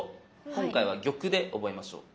今回は玉で覚えましょう。